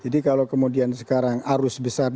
jadi kalau kemudian sekarang arus besar di golkar ini